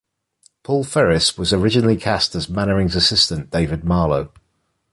Paul Ferris was originally cast as Mannering's assistant David Marlowe.